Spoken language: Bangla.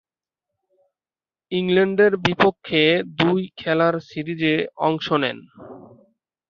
ইংল্যান্ডের বিপক্ষে দুই খেলার সিরিজে অংশ নেন।